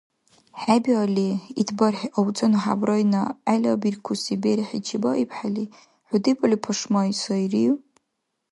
ХӀебиалли, ит бархӀи, авцӀанну хӀябрайна гӀелабиркуси берхӀи чебаибхӀели, хӀу дебали пашмай сайрив?